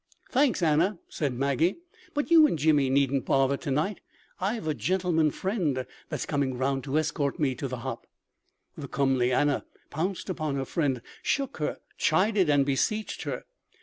"Thanks, Anna," said Maggie; "but you and Jimmy needn't bother to night. I've a gentleman friend that's coming 'round to escort me to the hop." The comely Anna pounced upon her friend, shook her, chided and beseeched her.